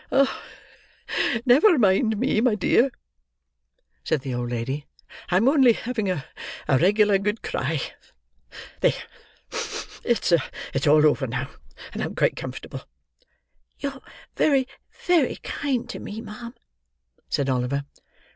"Never mind me, my dear," said the old lady; "I'm only having a regular good cry. There; it's all over now; and I'm quite comfortable." "You're very, very kind to me, ma'am," said Oliver.